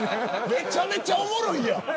めちゃめちゃおもろいやん。